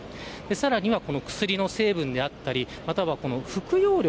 さらには薬の成分であったりまたは、服用量。